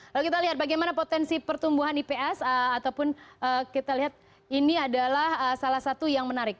lalu kita lihat bagaimana potensi pertumbuhan ips ataupun kita lihat ini adalah salah satu yang menarik